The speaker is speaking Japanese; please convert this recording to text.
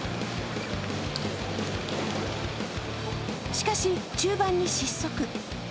しかし中盤に失速。